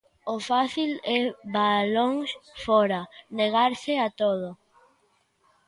O fácil é balóns fóra, negarse a todo.